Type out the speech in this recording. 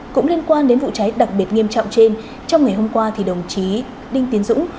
cũng liên quan đến vụ cháy đặc biệt nghiêm trọng trên trong ngày hôm qua đồng chí đinh tiến dũng